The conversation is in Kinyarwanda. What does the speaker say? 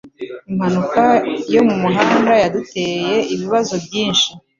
Impanuka yo mumuhanda yaduteye ibibazo byinshi.